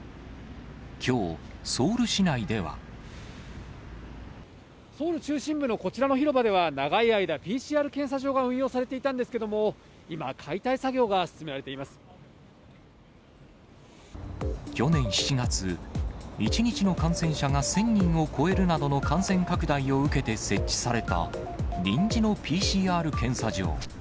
ソウル中心部のこちらの広場では長い間、ＰＣＲ検査場が運用されていたんですけれども、去年７月、１日の感染者が１０００人を超えるなどの感染拡大を受けて設置された臨時のＰＣＲ検査場。